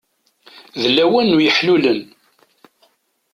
D lawan n yeḥlulen.